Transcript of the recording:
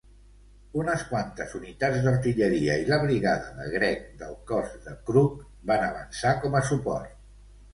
Unes quantes unitats d'artilleria i la brigada de Gregg del cos de Crook van avançar com a suport.